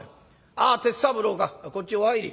ああ鉄三郎かこっちお入り。